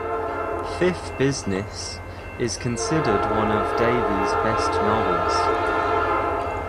"Fifth Business" is considered one of Davies' best novels.